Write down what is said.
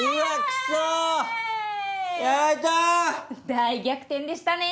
大逆転でしたね！